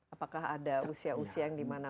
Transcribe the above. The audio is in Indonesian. apakah ada usia usia yang dimana